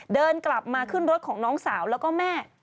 เดินกลับมาขึ้นรถของน้องสาวแล้วก็แม่